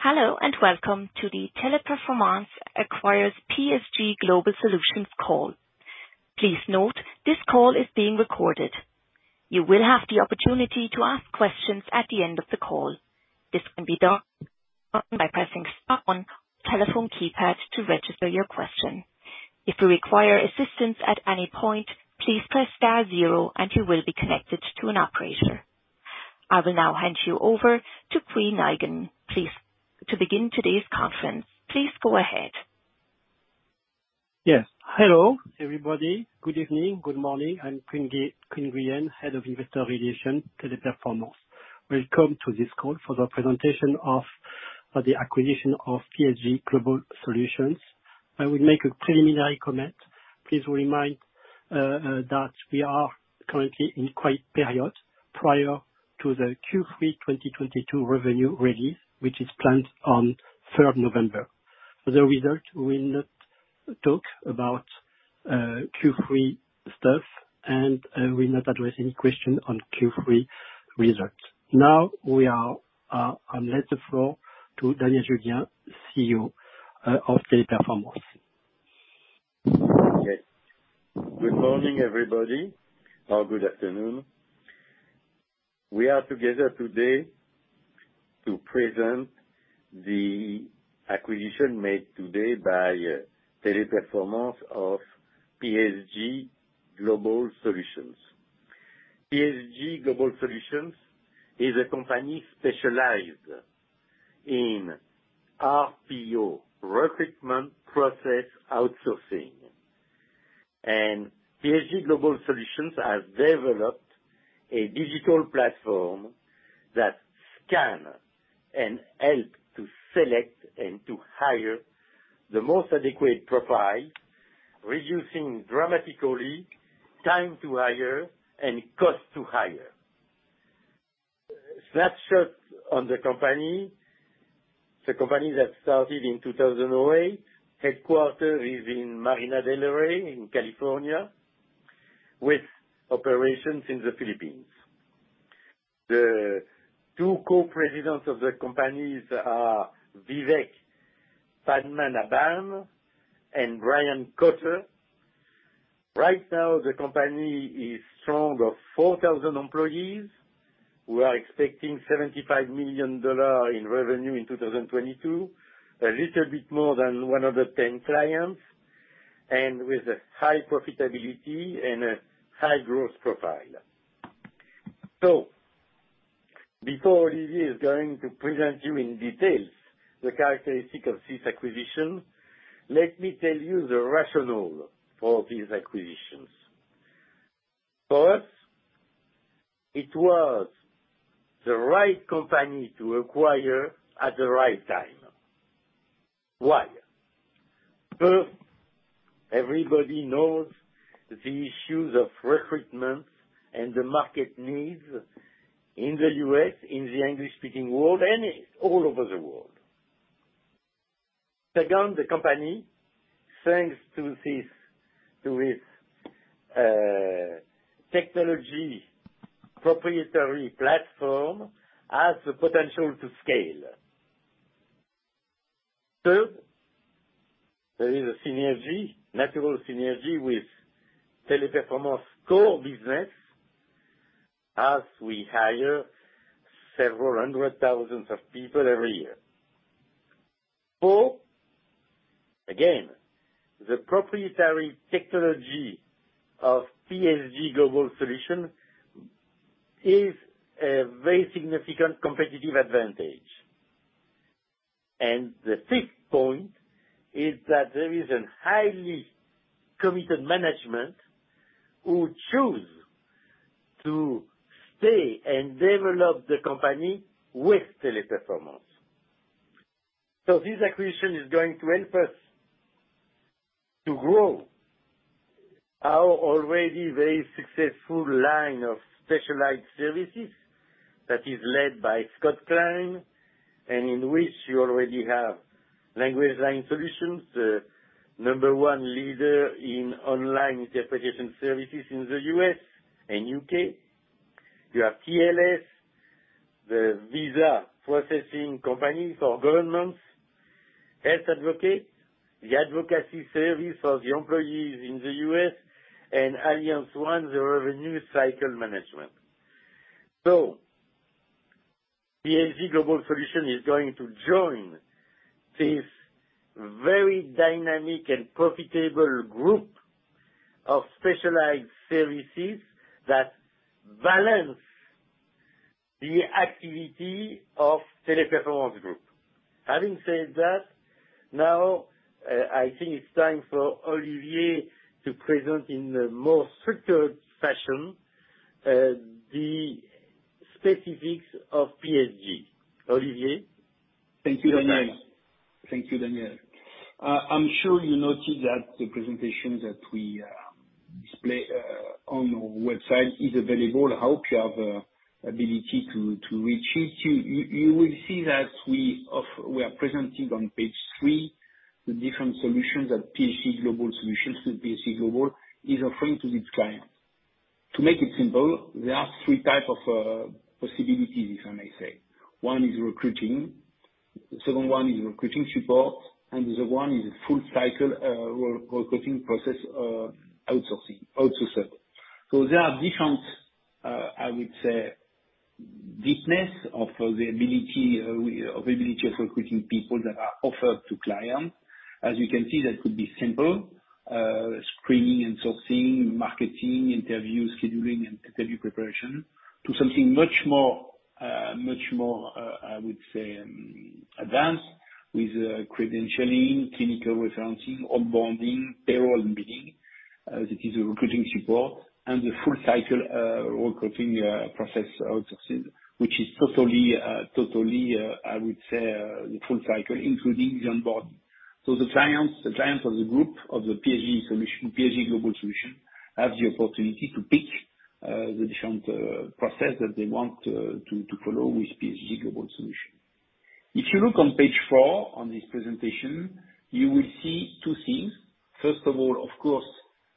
Hello, and welcome to the Teleperformance Acquires PSG Global Solutions call. Please note, this call is being recorded. You will have the opportunity to ask questions at the end of the call. This can be done by pressing star one on telephone keypad to register your question. If you require assistance at any point, please press star zero and you will be connected to an operator. I will now hand you over to Quy Nguyen. To begin today's conference, please go ahead. Yes. Hello, everybody. Good evening, good morning. I'm Quy Nguyen, Head of Investor Relations, Teleperformance. Welcome to this call for the presentation of the acquisition of PSG Global Solutions. I will make a preliminary comment. Please remember that we are currently in quiet period prior to the Q3 2022 revenue release, which is planned on 3rd November. For the results, we'll not talk about Q3 stuff and we'll not address any question on Q3 results. Now we hand the floor to Daniel Julien, CEO, of Teleperformance. Okay. Good morning, everybody, or good afternoon. We are together today to present the acquisition made today by Teleperformance of PSG Global Solutions. PSG Global Solutions is a company specialized in RPO, recruitment process outsourcing. PSG Global Solutions has developed a digital platform that scan and help to select and to hire the most adequate profile, reducing dramatically time to hire and cost to hire. Snapshot on the company. It's a company that started in 2008. Headquartered is in Marina del Rey in California with operations in the Philippines. The two Co-Presidents of the companies are Vivek Padmanabhan and Brian Cotter. Right now the company is strong of 4,000 employees. We are expecting $75 million in revenue in 2022. A little bit more than one of the 10 clients and with a high profitability and a high growth profile. Before Olivier is going to present you in details the characteristic of this acquisition, let me tell you the rationale for these acquisitions. First, it was the right company to acquire at the right time. Why? First, everybody knows the issues of recruitment and the market needs in the U.S., in the English-speaking world, and all over the world. Second, the company, thanks to its technology proprietary platform, has the potential to scale. Third, there is a synergy, natural synergy with Teleperformance core business as we hire several hundred thousands of people every year. Four, again, the proprietary technology of PSG Global Solutions is a very significant competitive advantage. The fifth point is that there is a highly committed management who choose to stay and develop the company with Teleperformance. This acquisition is going to help us to grow our already very successful line of specialized services that is led by Scott Klein, and in which you already have LanguageLine Solutions, the number one leader in online interpretation services in the U.S. and U.K. You have TLS, the visa processing company for governments. Health Advocate, the advocacy service for the employees in the U.S., and AllianceOne, the revenue cycle management. PSG Global Solutions is going to join this very dynamic and profitable group of specialized services that balance the activity of Teleperformance Group. Having said that, now, I think it's time for Olivier to present in a more structured fashion, the specifics of PSG. Olivier? Thank you, Daniel. I'm sure you noticed that the presentation that we display on our website is available. I hope you have ability to reach it. You will see that we are presenting on page three, the different solutions that PSG Global Solutions with PSG Global is offering to this client. To make it simple, there are three type of possibilities, if I may say. One is recruiting, second one is recruiting support, and the other one is a full cycle recruiting process outsourcing. There are different, I would say, business of the ability of recruiting people that are offered to client. As you can see, that could be simple screening and sourcing, marketing, interview scheduling, and interview preparation to something much more, I would say, advanced with credentialing, clinical referencing, onboarding, payroll management, that is a recruiting support and the full cycle recruiting process outsourcing, which is totally, I would say, the full cycle, including the onboarding. The clients of the group, of the PSG Global Solutions, have the opportunity to pick the different process that they want to follow with PSG Global Solutions. If you look on page four on this presentation, you will see two things. First of all, of course,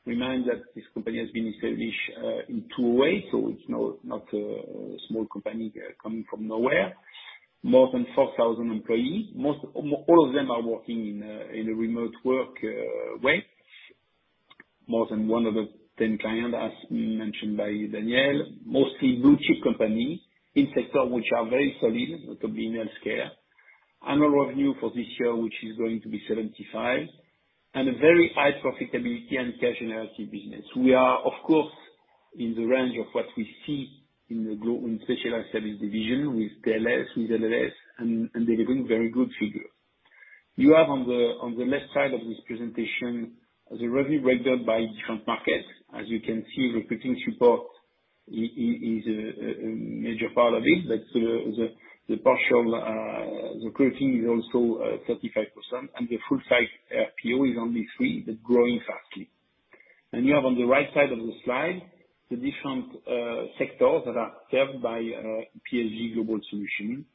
remind that this company has been established in two ways, so it's not a small company coming from nowhere. More than 4,000 employees. All of them are working in a remote work way. More than one in ten clients, as mentioned by Daniel, mostly blue-chip companies in sectors which are very solid, notably in healthcare. Annual revenue for this year, which is going to be $75 million, and a very high profitability and cash generative business. We are, of course, in the range of what we see in the Specialized Services division with DLS, with LLS and delivering very good figure. You have on the left side of this presentation, the revenue breakdown by different markets. As you can see, recruiting support is a major part of it. That's the partial recruiting is also 35%, and the full site RPO is only 3%, but growing fast. You have on the right side of the slide, the different sectors that are served by PSG Global Solutions.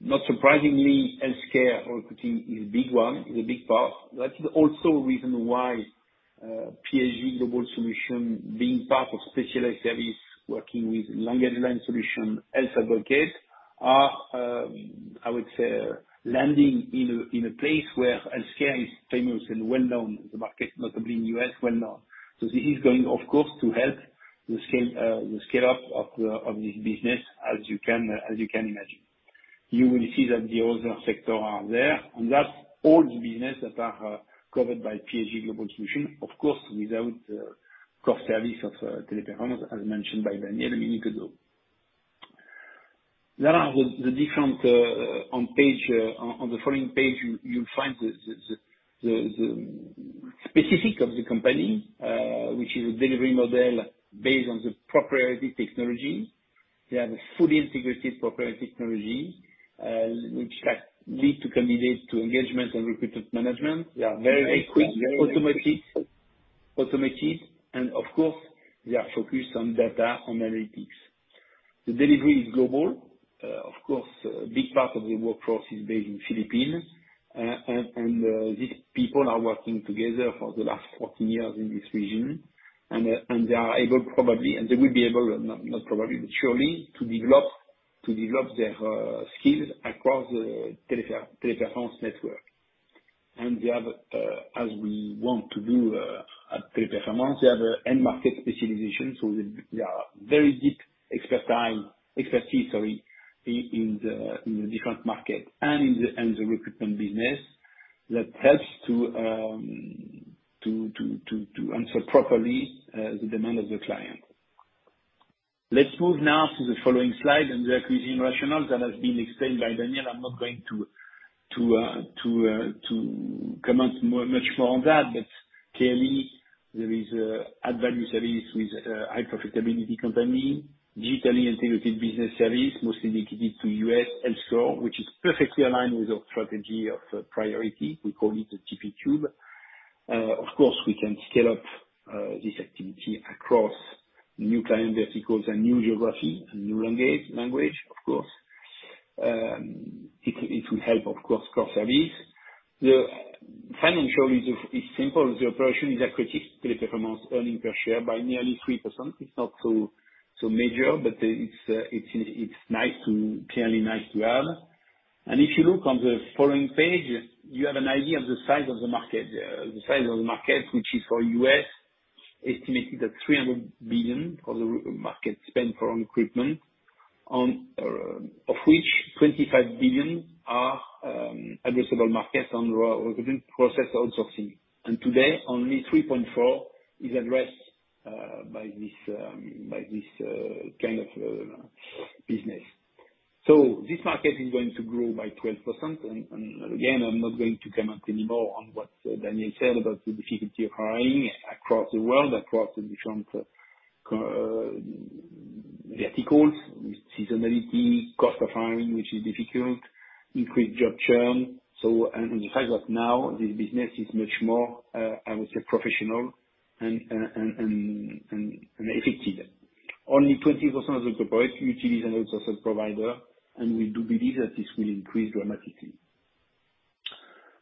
Not surprisingly, healthcare recruiting is a big one, is a big part. That's also a reason why, PSG Global Solutions, being part of Specialized Services working with LanguageLine Solutions, Health Advocate, are, I would say, landing in a place where healthcare is famous and well-known in the market, notably in U.S. This is going, of course, to help the scale-up of this business, as you can imagine. You will see that the other sector are there, and that's all the business that are covered by PSG Global Solutions, of course, without cross-service of Teleperformance, as mentioned by Daniel a minute ago. There are the different on the following page, you'll find the specific of the company, which is a delivery model based on the proprietary technology. They have a fully integrated proprietary technology, which leads to candidate engagement and recruitment management. They are very quick, very automated, and of course, they are focused on data, on analytics. The delivery is global. Of course, a big part of the workforce is based in Philippines, and these people are working together for the last 14 years in this region. They are able, probably, they will be able, not probably, but surely, to develop their skills across the Teleperformance network. We have as we want to do at Teleperformance, we have an end-market specialization, so there are very deep expertise in the different markets and in the recruitment business that helps to answer properly the demand of the client. Let's move now to the following slide and the acquisition rationale that has been explained by Daniel. I'm not going to comment much more on that. Clearly there is an added-value service with a high-profitability company, digitally integrated business service, mostly dedicated to U.S. healthcare, which is perfectly aligned with our strategic priorities. We call it the TP Cube. Of course, we can scale up this activity across new client verticals and new geographies and new languages, of course. It will help, of course, cross-service. The financial is simple. The operation is accretive Teleperformance earnings per share by nearly 3%. It's not so major, but it's nice to have. If you look on the following page, you have an idea of the size of the market, which is for U.S., estimated at $300 billion for the recruitment market spend for recruitment. Of which $25 billion are addressable market on recruitment process outsourcing. Today, only 3.4 is addressed by this kind of business. This market is going to grow by 12%. Again, I'm not going to comment anymore on what Daniel said about the difficulty of hiring across the world, across the different verticals, seasonality, cost of hiring, which is difficult, increased job churn. The fact that now this business is much more, I would say, professional and effective. Only 20% of the corporates utilize an outsourcing provider, and we do believe that this will increase dramatically.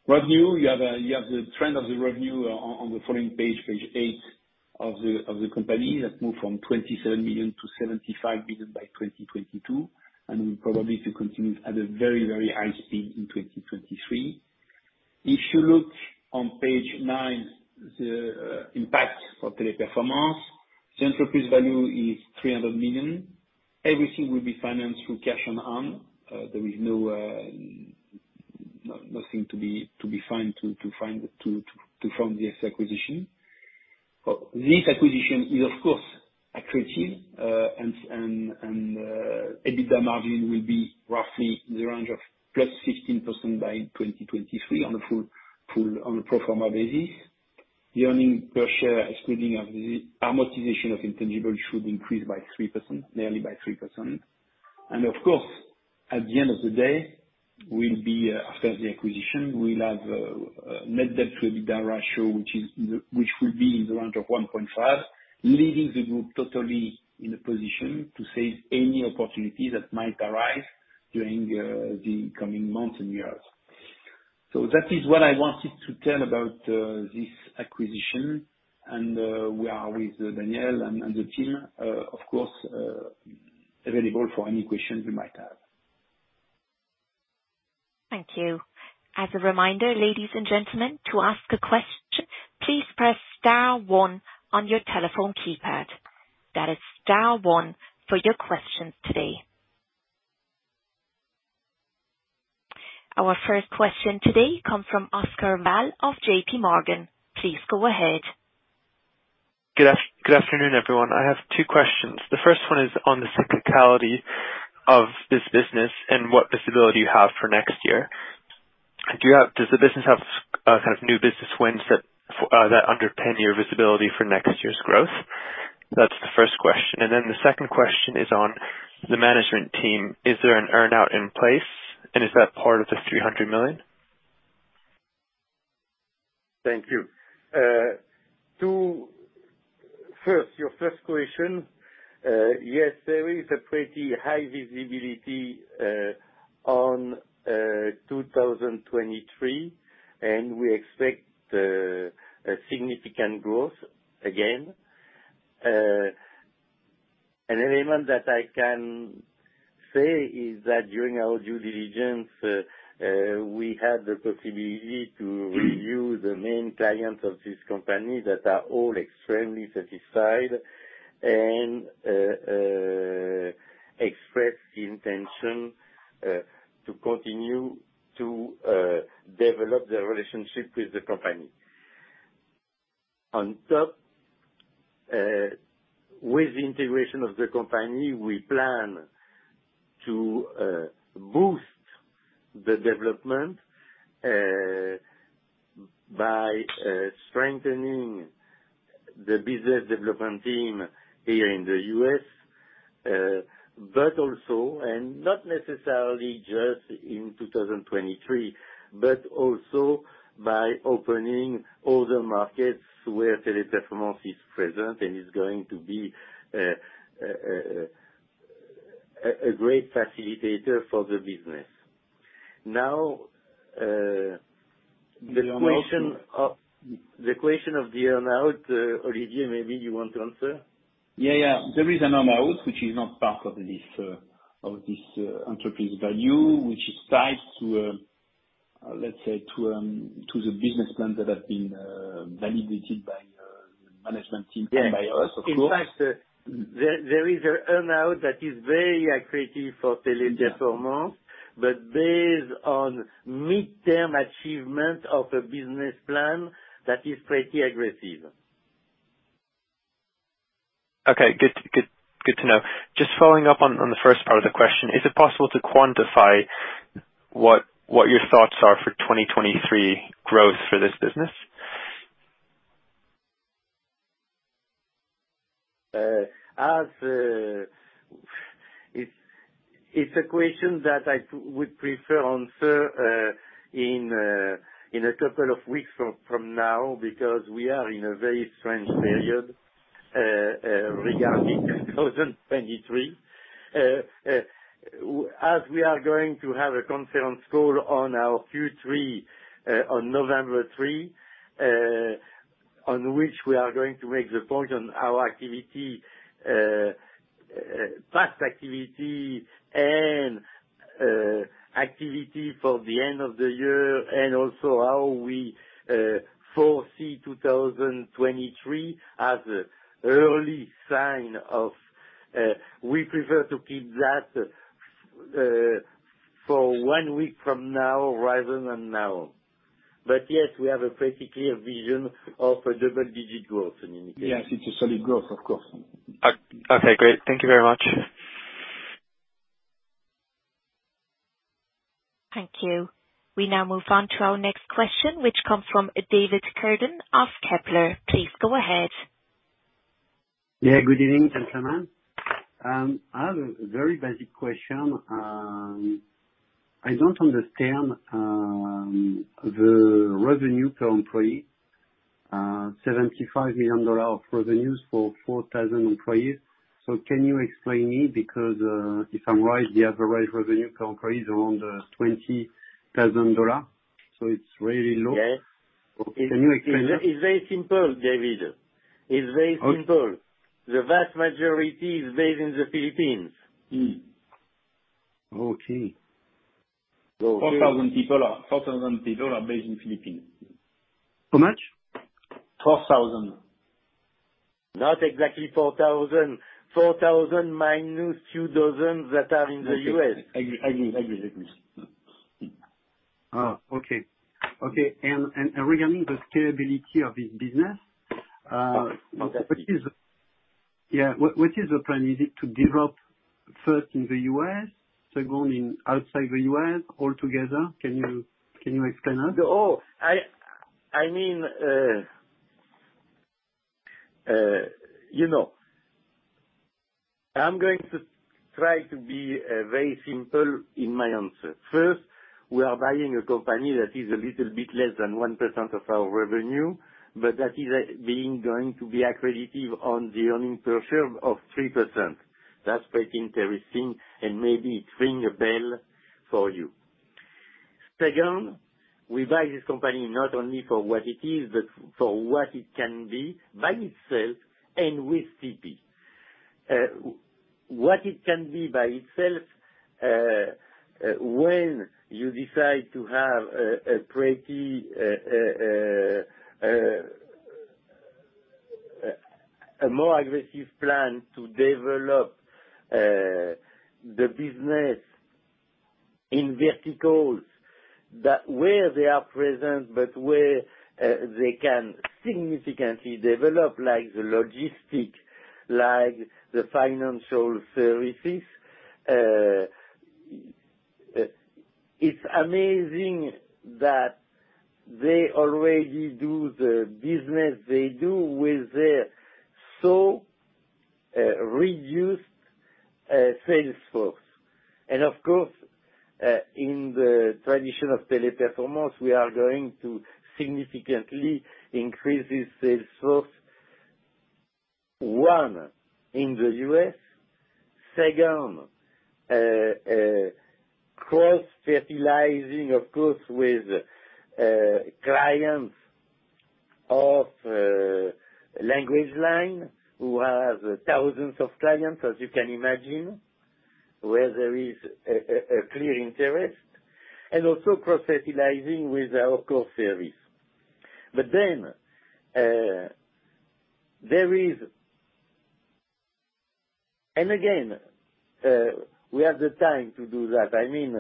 Revenue, you have the trend of the revenue on the following page eight of the company. That moved from $27 million to $75 million by 2022, and will probably continue at a very high speed in 2023. If you look on page nine, the impact for Teleperformance, the enterprise value is $300 million. Everything will be financed through cash on hand. There is nothing to fund this acquisition. This acquisition is, of course, accretive, and EBITDA margin will be roughly in the range of +16% by 2023 on a full pro forma basis. The earnings per share excluding the amortization of intangible should increase by 3%, nearly by 3%. Of course, at the end of the day will be after the acquisition, we'll have net debt to EBITDA ratio which will be in the range of 1.5, leaving the group totally in a position to seize any opportunity that might arise during the coming months and years. That is what I wanted to tell about this acquisition, and we are with Daniel and the team, of course, available for any questions you might have. Thank you. As a reminder, ladies and gentlemen, to ask a question, please press star one on your telephone keypad. That is star one for your questions today. Our first question today comes from Oscar Val Mas of JPMorgan. Please go ahead. Good afternoon, everyone. I have two questions. The first one is on the cyclicality of this business and what visibility you have for next year. Does the business have kind of new business wins that underpin your visibility for next year's growth? That's the first question. The second question is on the management team. Is there an earn-out in place, and is that part of the 300 million? Thank you. First, your first question, yes, there is a pretty high visibility on 2023, and we expect a significant growth again. An element that I can say is that during our due diligence, we had the possibility to review the main clients of this company that are all extremely satisfied and express the intention to continue to develop their relationship with the company. On top, with the integration of the company, we plan to boost the development by strengthening the business development team here in the U.S., but also, and not necessarily just in 2023, but also by opening other markets where Teleperformance is present and is going to be a great facilitator for the business. Now,- The earn-out- the question of the earn-out, Olivier, maybe you want to answer? Yeah, yeah. There is an earn-out which is not part of this enterprise value, which is tied to, let's say, to the business plan that have been validated by the management team. Yes By us, of course. In fact, there is a earn-out that is very accretive for Teleperformance. Yeah. Based on midterm achievement of a business plan that is pretty aggressive. Okay, good to know. Just following up on the first part of the question, is it possible to quantify what your thoughts are for 2023 growth for this business? It's a question that I would prefer to answer in a couple of weeks from now because we are in a very strange period regarding 2023. As we are going to have a conference call on our Q3 on November 3, on which we are going to make the point on our activity, past activity and activity for the end of the year, and also how we foresee 2023, we prefer to keep that for one week from now rather than now. Yes, we have a pretty clear vision of a double-digit growth in indication. Yes, it's a solid growth, of course. Okay, great. Thank you very much. Thank you. We now move on to our next question, which comes from David Cerdan of Kepler. Please go ahead. Yeah, good evening, gentlemen. I have a very basic question. I don't understand the revenue per employee. $75 million of revenues for 4,000 employees. Can you explain me because if I'm right, the average revenue per employee is around $20,000, so it's really low. Yes. Can you explain that? It's very simple, David. It's very simple. Okay. The vast majority is based in the Philippines. Okay. So- 4,000 people are based in Philippines. How much? 4,000. Not exactly 4,000. 4,000 minus two dozens that are in the U.S. I agree with this. Oh, okay. Okay, regarding the scalability of this business. Okay. What is the plan? Is it to develop first in the U.S., second in outside the U.S., all together? Can you explain that? I mean, you know, I'm going to try to be very simple in my answer. First, we are buying a company that is a little bit less than 1% of our revenue, but that is going to be accretive on the earnings per share of 3%. That's quite interesting, and maybe it rings a bell for you. Second, we buy this company not only for what it is, but for what it can be by itself and with TP. What it can be by itself, when you decide to have a more aggressive plan to develop the business in verticals where they are present but where they can significantly develop, like logistics, like the financial services. It's amazing that they already do the business they do with their so reduced sales force. Of course, in the tradition of Teleperformance, we are going to significantly increase the sales force, one, in the U.S. Second, cross-fertilizing of course with clients of LanguageLine, who have thousands of clients, as you can imagine, where there is a clear interest, and also cross-fertilizing with our core service. Again, we have the time to do that. I mean,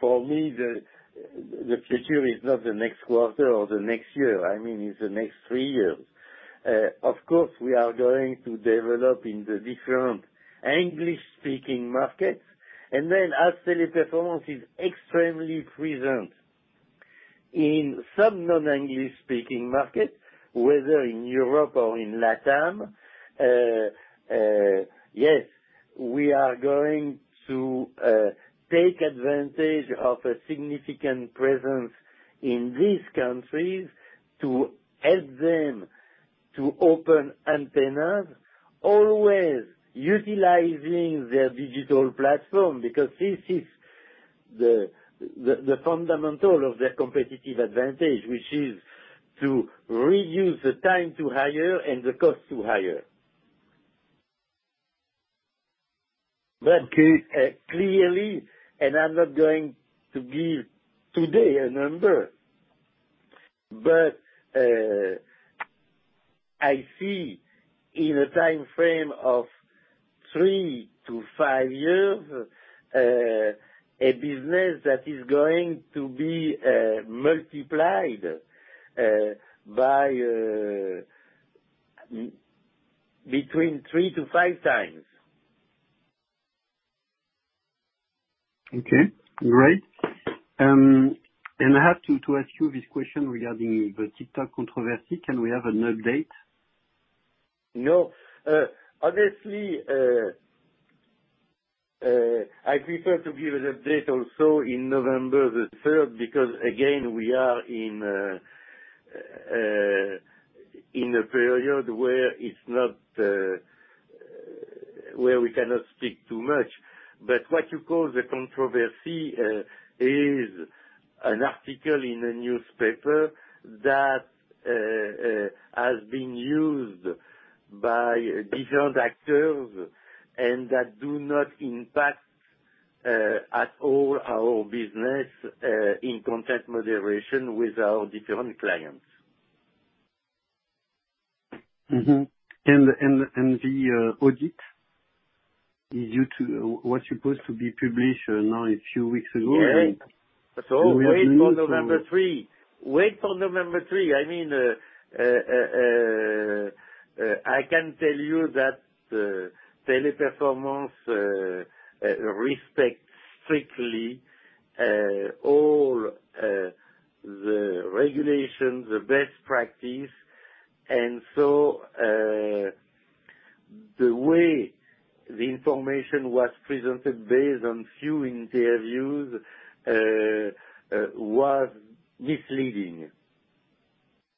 for me, the future is not the next quarter or the next year. I mean, it's the next three years. Of course, we are going to develop in the different English-speaking markets. As Teleperformance is extremely present in some non-English speaking markets, whether in Europe or in LatAm, yes, we are going to take advantage of a significant presence in these countries to help them to open antennas, always utilizing their digital platform, because this is the fundamental of their competitive advantage, which is to reduce the time to hire and the cost to hire. Clearly, and I'm not going to give today a number, but I see in a timeframe of three to five years, a business that is going to be multiplied by between three to five times. Okay, great. I have to ask you this question regarding the TikTok controversy. Can we have an update? No. Obviously, I prefer to give an update also in November the third, because again, we are in a period where it's not where we cannot speak too much. What you call the controversy is an article in the newspaper that has been used by different actors and that do not impact at all our business in content moderation with our different clients. The audit was supposed to be published now a few weeks ago, and Yes. Wait for November three. Do we have new- Wait for November three. I mean, I can tell you that Teleperformance respect strictly all the regulations, the best practice, and so the way the information was presented based on few interviews was misleading,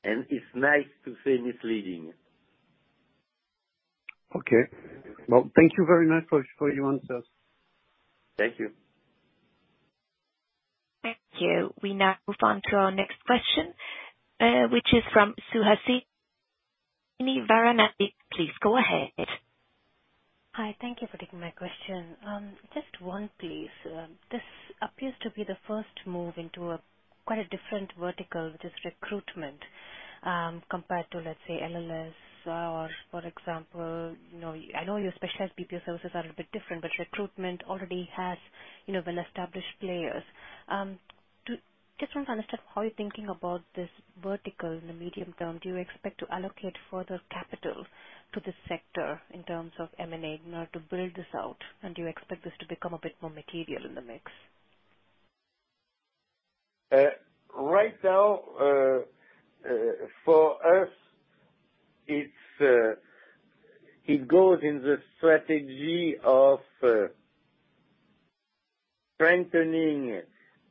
and it's nice to say misleading. Okay. Well, thank you very much for your answers. Thank you. Thank you. We now move on to our next question, which is from Suhasini Varanasi. Please go ahead. Hi. Thank you for taking my question. Just one, please. This appears to be the first move into quite a different vertical, which is recruitment, compared to, let's say, LLS or, for example, you know. I know your specialized BPO services are a bit different, but recruitment already has, you know, well-established players. Just want to understand how you're thinking about this vertical in the medium term. Do you expect to allocate further capital to this sector in terms of M&A in order to build this out? Do you expect this to become a bit more material in the mix? Right now, for us, it goes in the strategy of strengthening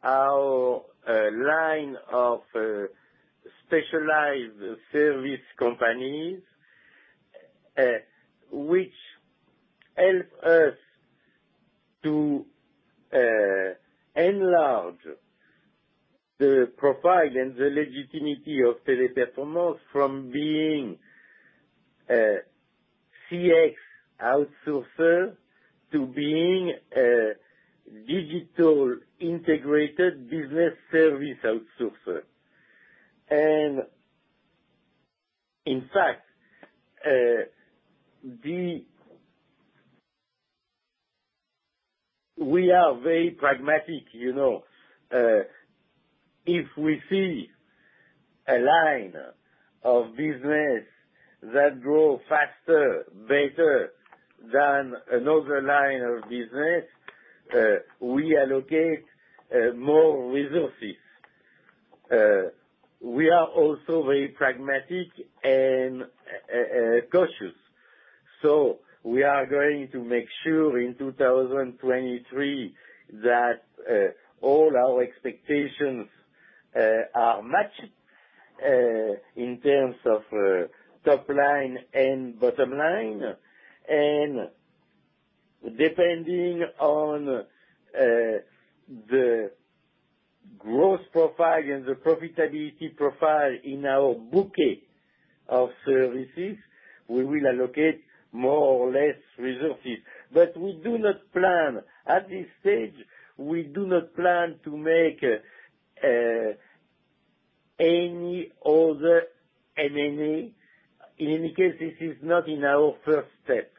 our line of Specialized Services companies, which help us to enlarge the profile and the legitimacy of Teleperformance from being a CX outsourcer to being a digital integrated business service outsourcer. In fact, we are very pragmatic, you know. If we see a line of business that grow faster, better than another line of business, we allocate more resources. We are also very pragmatic and cautious. We are going to make sure in 2023 that all our expectations are matched in terms of top line and bottom line. Depending on the growth profile and the profitability profile in our bouquet of services, we will allocate more or less resources. We do not plan, at this stage, to make any other M&A. In any case, this is not in our first step.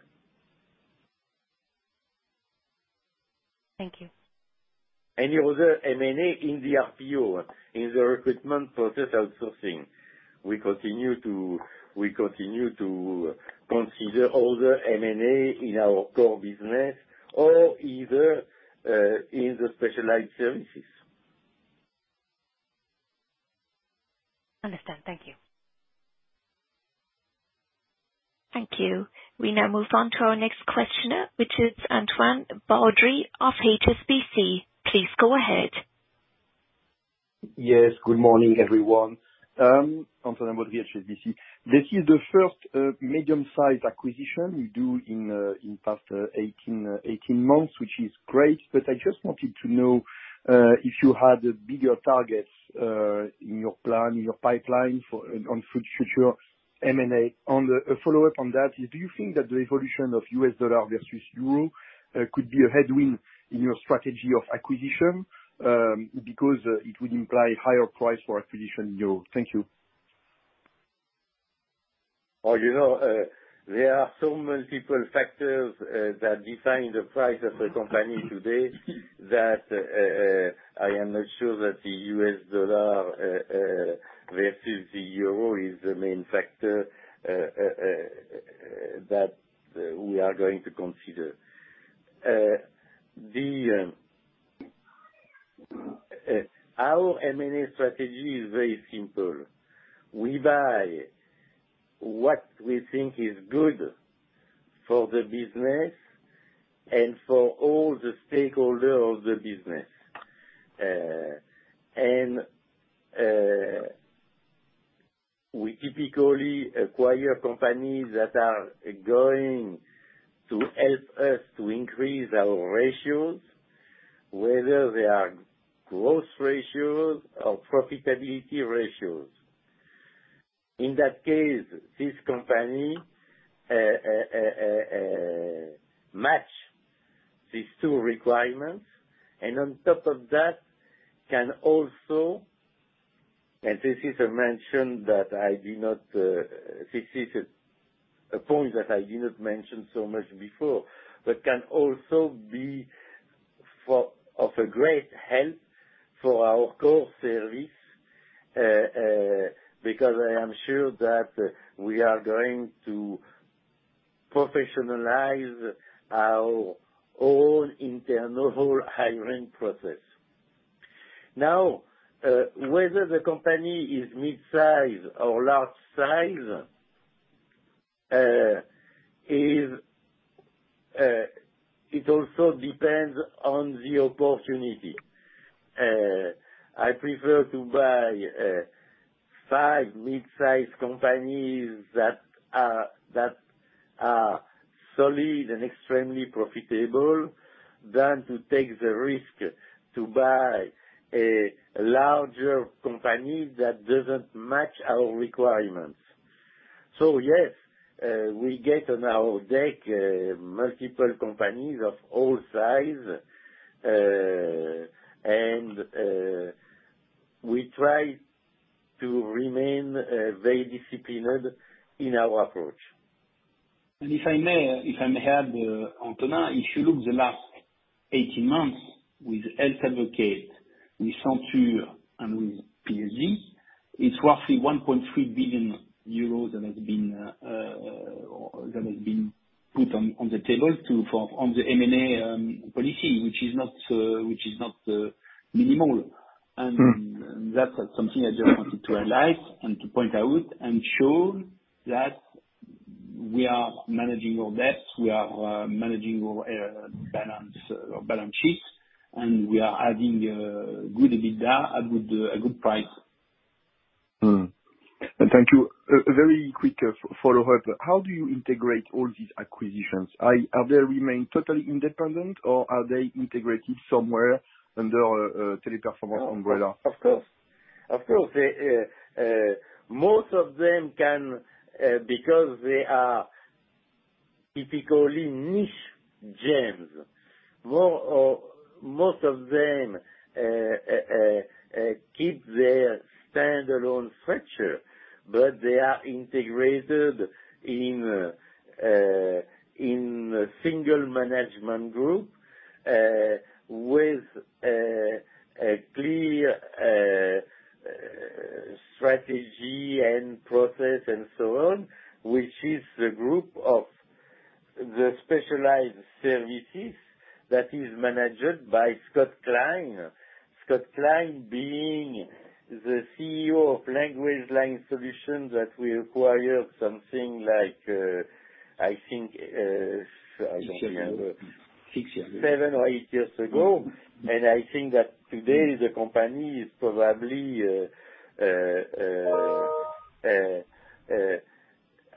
Thank you. Any other M&A in the RPO, in the recruitment process outsourcing. We continue to consider all the M&A in our core business or either in the Specialized Services. Understand. Thank you. Thank you. We now move on to our next questioner, which is Antonin Baudry of HSBC. Please go ahead. Yes. Good morning, everyone. Antonin Baudry, HSBC. This is the first medium-sized acquisition you do in the past 18 months, which is great. I just wanted to know if you had bigger targets in your plan, in your pipeline for future M&A. On the follow-up on that is, do you think that the evolution of the U.S. dollar versus euro could be a headwind in your strategy of acquisition, because it would imply higher price for acquisition euro? Thank you. You know, there are multiple factors that define the price of a company today that I am not sure that the U.S. dollar versus the euro is the main factor that we are going to consider. Our M&A strategy is very simple. We buy what we think is good for the business and for all the stakeholders of the business. We typically acquire companies that are going to help us to increase our ratios, whether they are growth ratios or profitability ratios. In that case, this company match these two requirements, and on top of that can also. This is a point that I did not mention so much before, but can also be of a great help for our core service, because I am sure that we are going to professionalize our own internal hiring process. Now, whether the company is midsize or large size, it also depends on the opportunity. I prefer to buy five mid-sized companies that are solid and extremely profitable than to take the risk to buy a larger company that doesn't match our requirements. Yes, we get on our deck multiple companies of all size. We try to remain very disciplined in our approach. If I may add, Antonin, if you look at the last 18 months with Health Advocate, with Senture and with PSG, it's roughly 1.3 billion euros that has been put on the table for the M&A policy, which is not minimal. Mm-hmm. That's something I just wanted to highlight and to point out and show that we are managing our debts, we are managing our balance sheets, and we are adding good EBITDA at a good price. Mm. Thank you. A very quick follow-up. How do you integrate all these acquisitions? Do they remain totally independent or are they integrated somewhere under Teleperformance umbrella? Of course. They most of them can because they are typically niche gems, most of them keep their standalone structure, but they are integrated in a single management group with a clear strategy and process and so on, which is the group of the Specialized Services that is managed by Scott Klein. Scott Klein being the CEO of LanguageLine Solutions that we acquired something like, I think, I don't remember. Six years. Seven or eight years ago. I think that today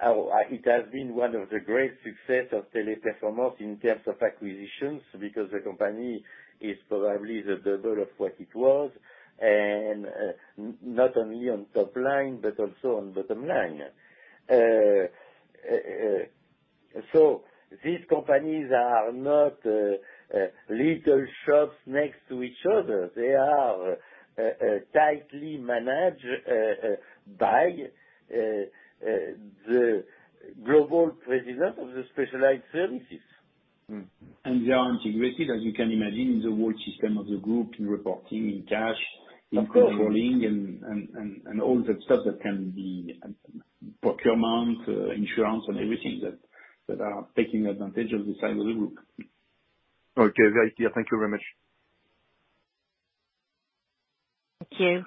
it has been one of the great success of Teleperformance in terms of acquisitions, because the company is probably the double of what it was, and not only on top line, but also on bottom line. So these companies are not little shops next to each other. They are tightly managed by the global president of the Specialized Services. They are integrated, as you can imagine, in the whole system of the group in reporting, in cash. Of course. In controlling and all that stuff that can be procurement, insurance and everything that are taking advantage of the size of the group. Okay. Very clear. Thank you very much. Thank you.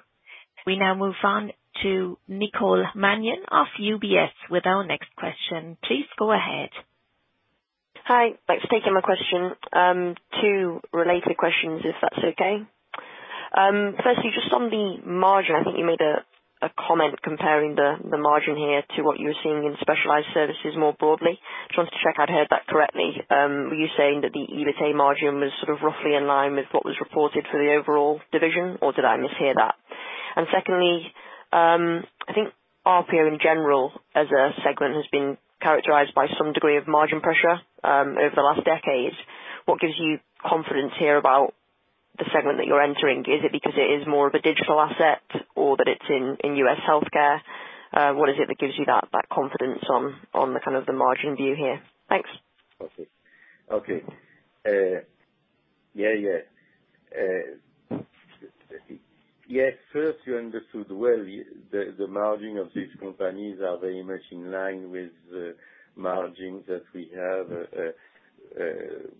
We now move on to Nicole Manion of UBS with our next question. Please go ahead. Hi. Thanks for taking my question. Two related questions, if that's okay. Firstly, just on the margin, I think you made a comment comparing the margin here to what you were seeing in Specialized Services more broadly. Just wanted to check I'd heard that correctly. Were you saying that the EBITDA margin was sort of roughly in line with what was reported for the overall division, or did I mishear that? Secondly, I think RPO in general as a segment has been characterized by some degree of margin pressure over the last decade. What gives you confidence here about the segment that you're entering? Is it because it is more of a digital asset or that it's in U.S. healthcare? What is it that gives you that confidence on the kind of margin view here? Thanks. Yes, first, you understood well. The margin of these companies are very much in line with the margin that we have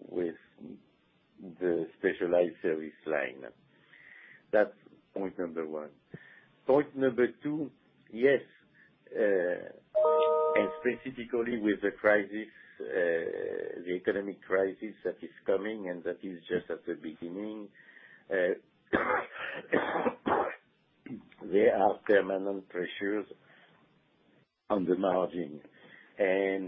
with the Specialized Services. That's point number one. Point number two, yes, specifically with the crisis, the economic crisis that is coming and that is just at the beginning, there are permanent pressures on the margin. The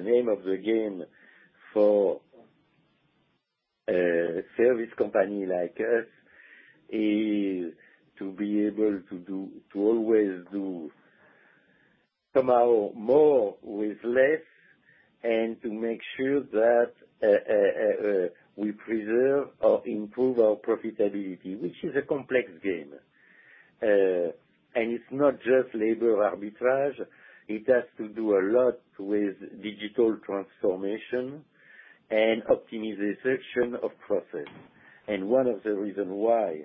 name of the game for a service company like us is to be able to do, to always do somehow more with less and to make sure that we preserve or improve our profitability, which is a complex game. It's not just labor arbitrage. It has to do a lot with digital transformation and optimization of process. One of the reason why,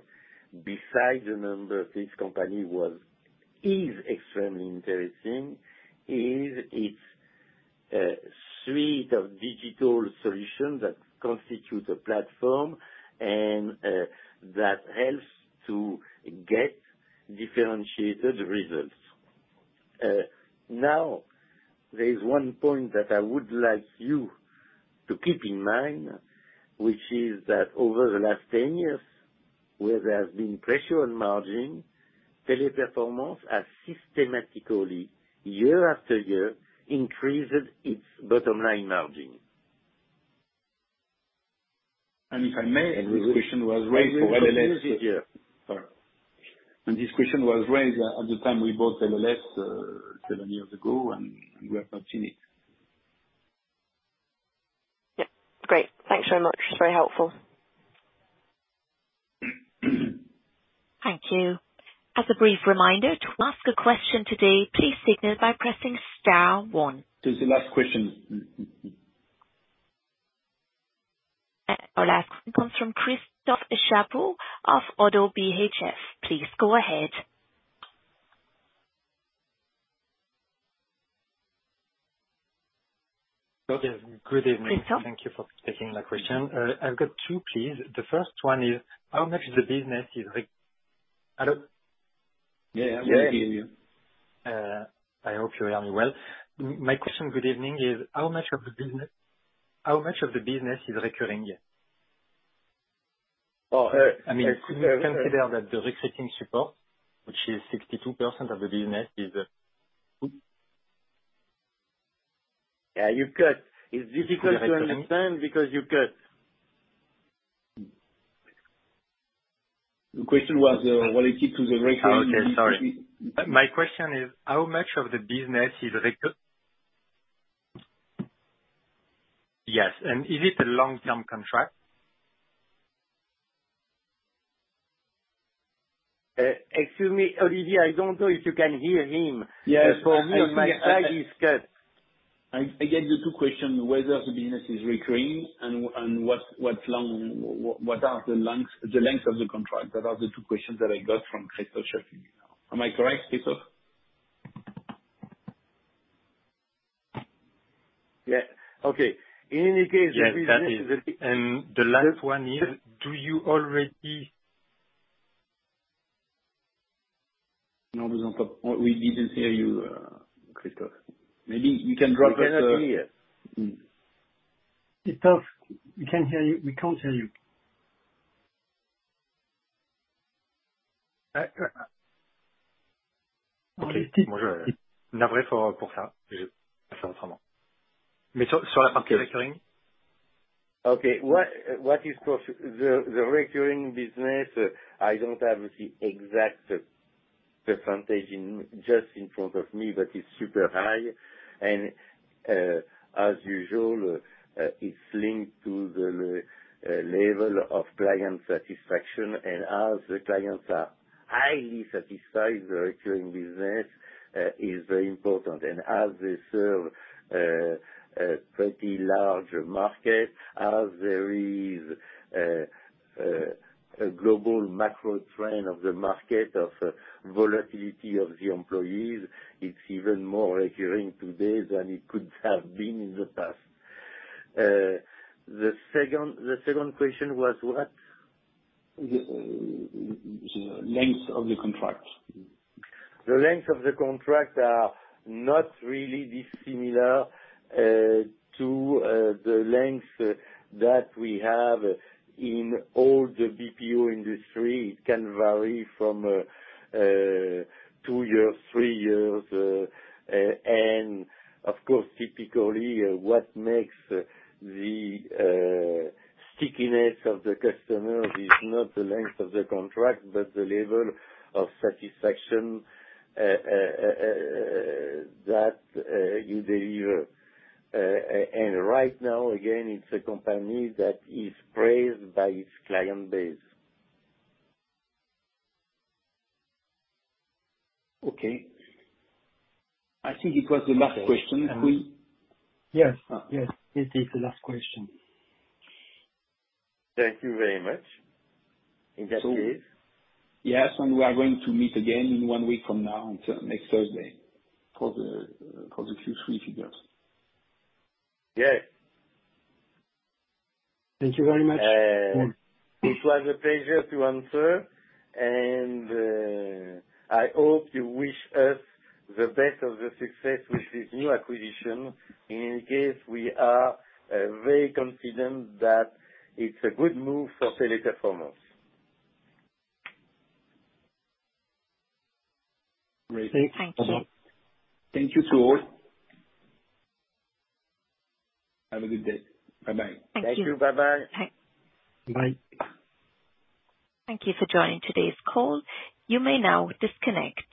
besides the number of this company, is extremely interesting is its a suite of digital solutions that constitute a platform and that helps to get differentiated results. Now there is one point that I would like you to keep in mind, which is that over the last 10 years, where there has been pressure on margin, Teleperformance has systematically, year after year, increased its bottom line margin. If I may. Mm-hmm. This question was raised for LLS. Sorry. This question was raised at the time we bought LLS seven years ago, and we have not seen it. Yep, great. Thanks very much. It's very helpful. Thank you. As a brief reminder, to ask a question today, please signal by pressing star one. This is the last question. Our last comes from Christophe Chaput of ODDO BHF. Please go ahead. Good evening. Christophe. Thank you for taking my question. I've got two, please. The first one is, how much of the business is, like. Hello? Yeah, yeah, we hear you. I hope you hear me well. My question, good evening, is how much of the business is recurring here? Oh, uh, it's, uh- I mean, could you consider that the recruiting support, which is 62% of the business is? Yeah, you cut. It's difficult to understand because you cut. The question was related to the recurring business. Okay. Sorry. My question is, how much of the business is? Yes, and is it a long-term contract? Excuse me, Olivier, I don't know if you can hear him. Yes. I hear. For me on my side, he's cut. I get the two questions, whether the business is recurring and what are the lengths of the contracts. Those are the two questions that I got from Christophe Chaput. Am I correct, Christophe? Yeah. Okay. In any case, the business is. Yes, that is. The last one is- Do you already? No, we don't have. We didn't hear you, Christophe. Maybe you can drop us. We cannot hear you. Mm. Christophe, we can't hear you. We can't hear you. Uh, uh. Okay. The recurring business, I don't have the exact percentage just in front of me, but it's super high. As usual, it's linked to the level of client satisfaction. As the clients are highly satisfied, the recurring business is very important. As they serve a pretty large market, as there is a global macro trend of the market, of volatility of the employees, it's even more recurring today than it could have been in the past. The second question was what? The length of the contract. The length of the contract are not really dissimilar to the length that we have in all the BPO industry. It can vary from two years, three years. Of course, typically, what makes the stickiness of the customers is not the length of the contract, but the level of satisfaction that you deliver. Right now, again, it's a company that is praised by its client base. Okay. I think it was the last question. Yes. Uh. Yes, it is the last question. Thank you very much, investors. Yes, we are going to meet again in one week from now until next Thursday for the Q3 figures. Yes. Thank you very much. It was a pleasure to answer, and I hope you wish us the best of the success with this new acquisition. In any case, we are very confident that it's a good move for Teleperformance. Great. Thank you. Thank you to all. Have a good day. Bye-bye. Thank you. Thank you. Bye-bye. Bye. Bye. Thank you for joining today's call. You may now disconnect.